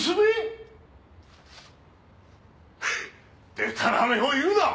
でたらめを言うな！